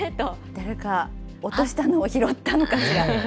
誰か落としたのを拾ったのかしら。